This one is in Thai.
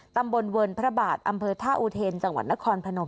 ตำบลเวิร์นพระบาทอำเภอท่าอุเทนจังหวัดนครพนม